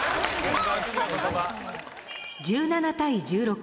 １７対１６。